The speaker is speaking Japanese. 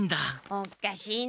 おっかしいな。